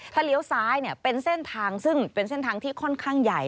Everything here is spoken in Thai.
ถ้าเลี้ยวซ้ายเป็นเส้นทางซึ่งเป็นเส้นทางที่ค่อนข้างใหญ่